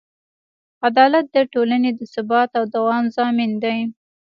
عدالت د ټولنې د ثبات او دوام ضامن دی.